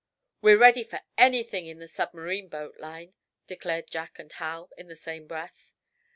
"We're ready for anything in the submarine boat line," declared Jack and Hal, in the same breath.